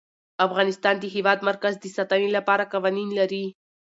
افغانستان د د هېواد مرکز د ساتنې لپاره قوانین لري.